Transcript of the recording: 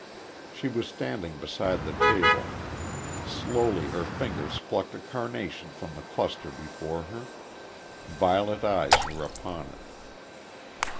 She was standing beside the table. Slowly her fingers plucked a carnation from the cluster before her. Violet eyes were upon it.